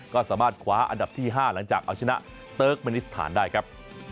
ก็สามารถขวาอันดับที่๕หลังจากอาจเจอเมนิสธรรมได้ครับ